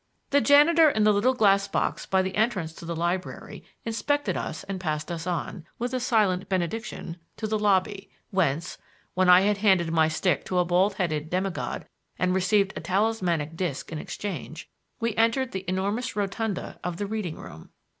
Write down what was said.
The janitor in the little glass box by the entrance to the library inspected us and passed us on, with a silent benediction, to the lobby, whence (when I had handed my stick to a bald headed demigod and received a talismanic disc in exchange) we entered the enormous rotunda of the reading room.